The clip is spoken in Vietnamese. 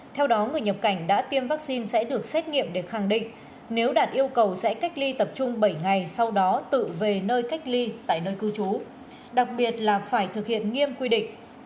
theo đó người nhập cảnh đã tiêm vaccine sẽ được xét nghiệm để khẳng định nếu đạt yêu cầu sẽ cách ly tập trung bảy ngày sau đó tự về nơi cách ly tại nơi cư trú đặc biệt là phải thực hiện nghiêm quy định